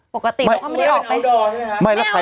ปกติเขาไม่ได้ออกไป